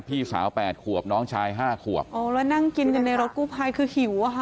พี่สาวแปดขวบน้องชายห้าขวบอ๋อแล้วนั่งกินกันในรถกู้ภัยคือหิวอะค่ะ